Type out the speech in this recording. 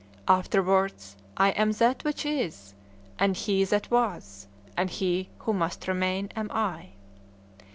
Afterwards, I am that which is, and He that was, and He who must remain am I."